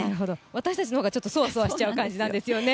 私たちの方が、そわそわしちゃう感じなんですよね。